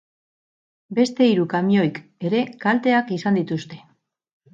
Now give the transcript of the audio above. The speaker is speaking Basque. Beste hiru kamioik ere kalteak izan dituzte.